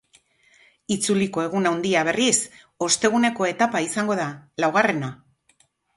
Itzuliko egun handia, berriz, osteguneko etapa izango da, laugarrena.